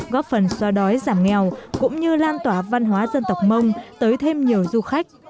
góp phần xóa đói giảm nghèo cũng như lan tỏa văn hóa dân tộc mông tới thêm nhiều du khách